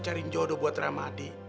cari jodoh buat ramadi